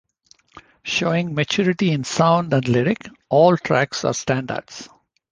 Showing maturity in sound and lyric, all tracks are standouts.